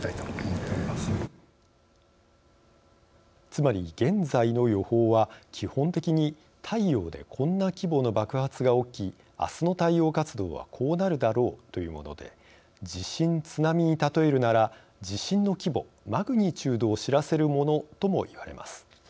つまり、現在の予報は基本的に「太陽でこんな規模の爆発が起きあすの太陽活動はこうなるだろう」というもので地震・津波に例えるなら地震の規模＝マグニチュードを知らせるものともいえます。